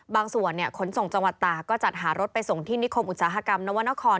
ขนส่งจังหวัดตาก็จัดหารถไปส่งที่นิคมอุตสาหกรรมนวรรณคร